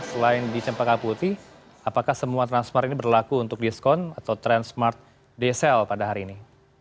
selain di cempaka putih apakah semua transplant ini berlaku untuk diskon atau transplant di sel pada hari ini